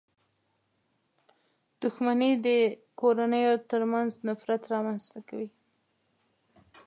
• دښمني د کورنيو تر منځ نفرت رامنځته کوي.